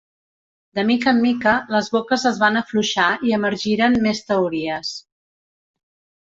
De mica en mica, les boques es van afluixar i emergiren més teories.